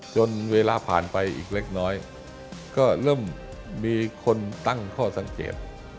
จนเวลาผ่านไปอีกเล็กน้อยก็เริ่มมีคนตั้งข้อสังเกต